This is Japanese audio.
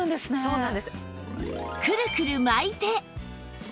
そうなんです。